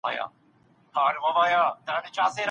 مثبت کسان ستاسو ملاتړ کوي.